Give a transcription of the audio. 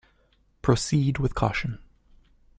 Proceed with caution.